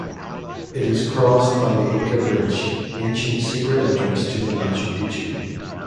It is crossed by the Inca Bridge, ancient secret entrance to the Machu Picchu.